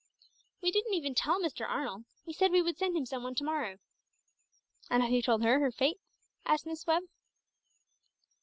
"We didn't even tell Mr. Arnold; we said we would send him some one to morrow." "And have you told her her fate?" asked Miss Webb.